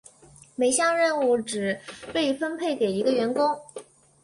每项任务只被分配给一个员工。